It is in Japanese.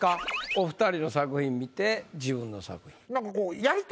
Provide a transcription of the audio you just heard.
お二人の作品見て自分の作品。